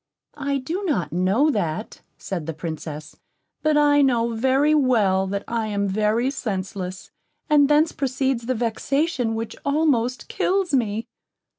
"I do not know that," said the Princess; "but I know, very well, that I am very senseless, and thence proceeds the vexation which almost kills me."